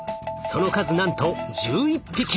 その数なんと１１匹！